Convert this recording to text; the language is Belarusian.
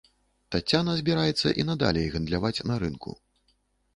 Таццяна збіраецца і надалей гандляваць на рынку.